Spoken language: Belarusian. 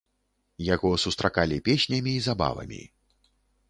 Яго сустракалі песнямі і забавамі.